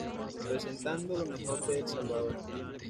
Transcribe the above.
Presentando lo mejor de El Salvador.